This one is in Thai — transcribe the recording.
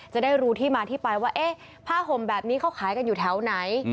จะได้รู้ที่มาที่ไปว่าเอ๊ะผ้าห่มแบบนี้เขาขายกันอยู่แถวไหน